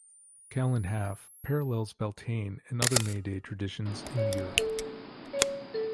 Calan Haf parallels Beltane and other May Day traditions in Europe.